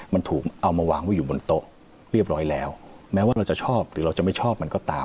มันถูกเอามาวางไว้อยู่บนโต๊ะเรียบร้อยแล้วแม้ว่าเราจะชอบหรือเราจะไม่ชอบมันก็ตาม